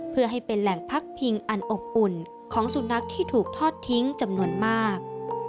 เพื่อให้เป็นแหล่งพักพิงอันอบอุ่นของสุนัขที่ถูกทอดทิ้งจำนวนมาก